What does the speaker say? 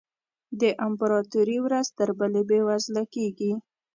د امپراتوري ورځ تر بلې بېوزله کېږي.